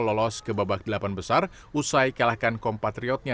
lolos ke babak delapan besar usai kalahkan kompatriotnya